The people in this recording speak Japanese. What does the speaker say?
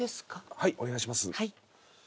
はいお願いします